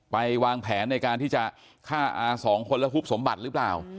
วางแผนในการที่จะฆ่าอาสองคนและฮุบสมบัติหรือเปล่า